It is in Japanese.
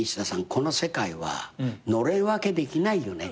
この世界はのれん分けできないよね。